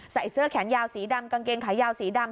ใส่เสื้อแขนยาวสีดำกางเกงขายาวสีดำ